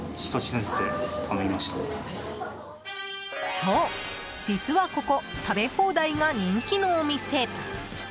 そう、実はここ食べ放題が人気のお店。